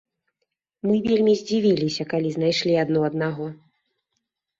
Мы вельмі здзівіліся, калі знайшлі адно аднаго.